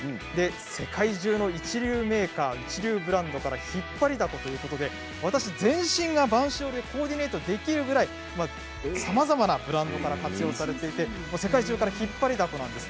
世界中の一流メーカー一流ブランドから引っ張りだこということで私、全身が播州織でコーディネートできるくらいさまざまなブランドから引っ張りだこなんです。